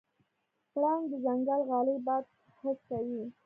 پړانګ د ځنګل غلی باد حس کوي.